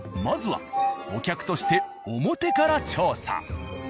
まずはお客として表から調査。